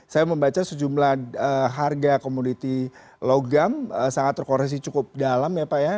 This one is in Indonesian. saya membaca sejumlah harga komoditi logam sangat terkoresi cukup dalam ya pak ya